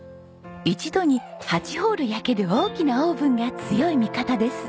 一度に８ホール焼ける大きなオーブンが強い味方です。